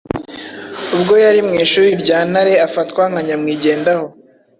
ubwo yari mu Ishuri rya Ntare afatwa nka nyamwigendaho.